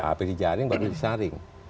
habis dijaring baru disaring